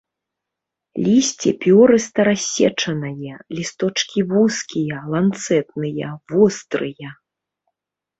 Лісце пёрыста-рассечанае, лісточкі вузкія, ланцэтныя, вострыя.